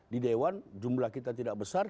di dewan jumlah kita tidak besar